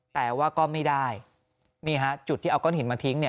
แต่ว่าก็ไม่ได้นี่ฮะจุดที่เอาก้อนหินมาทิ้ง